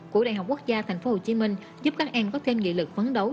của đại học quốc gia tp hcm giúp các em có thêm nghị lực phấn đấu